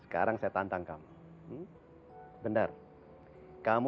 ke tempat biasa